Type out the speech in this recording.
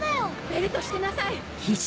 ベルトしてなさい！